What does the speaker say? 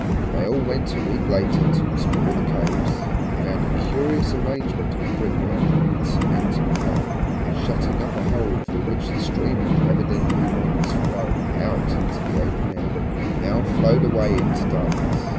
When they all went a week later to explore the caves, they found a curious arrangement of brickwork and cement and clay, shutting up a hole through which the stream had evidently once flowed out into the open air. It now flowed away into darkness.